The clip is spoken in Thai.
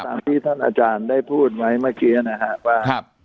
ก็ตามที่ท่านอาจารย์ได้พูดไว้เมื่อกี้นะฮะว่าครับ